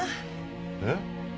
えっ？